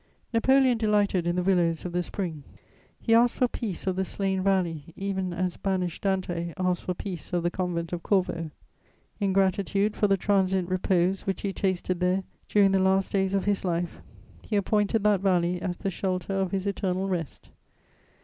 Napoleon delighted in the willows of the spring; he asked for peace of the Slane Valley even as banished Dante asked for peace of the Convent of Corvo. In gratitude for the transient repose which he tasted there during the last days of his life, he appointed that valley as the shelter of his eternal rest.